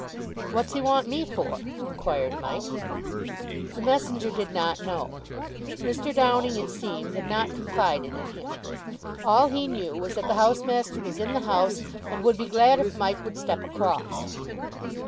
"What's he want me for?" inquired Mike. The messenger did not know. Mr. Downing, it seemed, had not confided in him. All he knew was that the housemaster was in the house, and would be glad if Mike would step across.